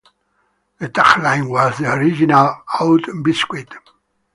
The tag line was "the original oat biscuit".